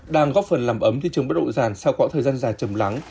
đang góp phần làm ấm thị trường bất động sản sau quãng thời gian dài chầm lắng